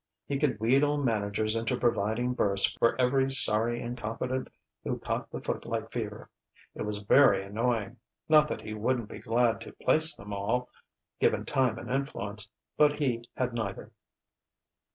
he could wheedle managers into providing berths for every sorry incompetent who caught the footlight fever. It was very annoying. Not that he wouldn't be glad to place them all, given time and influence; but he had neither.